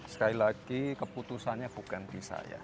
sekali lagi keputusannya bukan di saya